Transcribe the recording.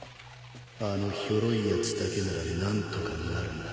・あのひょろいやつだけなら何とかなるな。